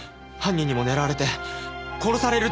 犯人にも狙われて殺される。